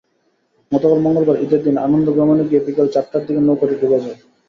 গতকাল মঙ্গলবার ঈদের দিনে আনন্দভ্রমণে গিয়ে বিকেল চারটার দিকে নৌকাটি ডুবে যায়।